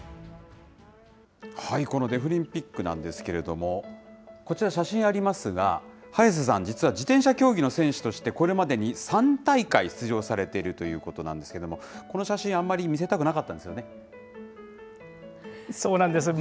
このデフリンピックなんですけれども、こちら、写真ありますが、早瀬さん、実は自転車競技の選手として、これまでに３大会出場されているということなんですけれども、この写真、あんまり見せたくなかったんですよね？